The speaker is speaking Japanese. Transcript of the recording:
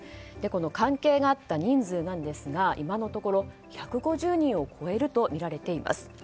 この関係があった人数なんですが今のところ１５０人を超えるとみられています。